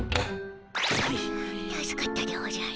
助かったでおじゃる。